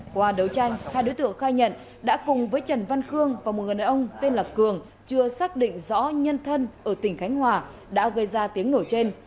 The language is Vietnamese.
qua đấu tranh hai đối tượng khai nhận đã cùng với trần văn khương và một người đàn ông tên là cường chưa xác định rõ nhân thân ở tỉnh khánh hòa đã gây ra tiếng nổ trên